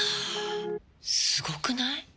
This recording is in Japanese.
すごくない？